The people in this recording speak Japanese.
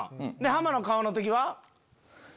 ハマの顔の時は？